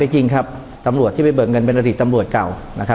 จริงครับตำรวจที่ไปเบิกเงินเป็นอดีตตำรวจเก่า